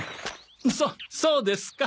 そそうですか。